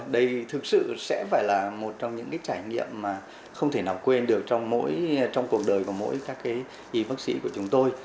đây thực sự sẽ phải là một trong những trải nghiệm mà không thể nào quên được trong cuộc đời của mỗi các y bác sĩ của chúng tôi